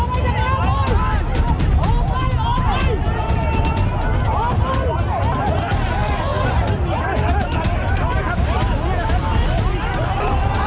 ครับ